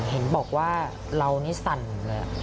เห็นบอกว่าเรานี่สั่นเลย